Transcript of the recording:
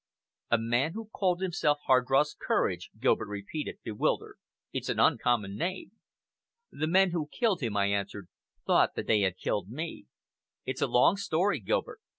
"A man who called himself Hardross Courage," Gilbert repeated, bewildered. "It's an uncommon name." "The men who killed him," I answered, "thought that they had killed me. It's a long story, Gilbert.